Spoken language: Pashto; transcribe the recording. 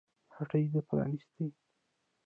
هټۍ دې پرانيستې